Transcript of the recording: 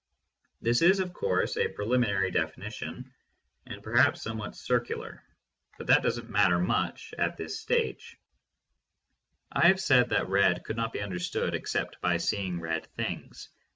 This is, of course, a preliminary 5l6 THE MONIST. definition, and perhaps somewhat circular, but that does not much matter at this stage. I have said that "red" could not be understood except by seeing red things.